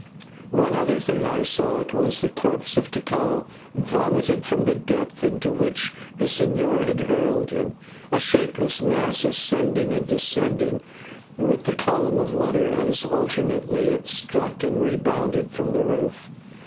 One other thing I saw; it was the corpse of Tikal, vomited from the depth into which the señor had hurled him, a shapeless mass ascending and descending with the column of water as alternately it struck and rebounded from the roof.